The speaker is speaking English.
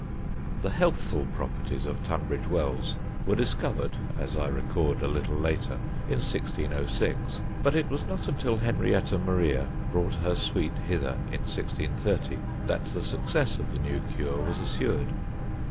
_] The healthful properties of Tunbridge Wells were discovered, as I record a little later, in 1606; but it was not until Henrietta Maria brought her suite hither in 1630 that the success of the new cure was assured.